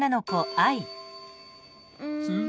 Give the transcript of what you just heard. うん。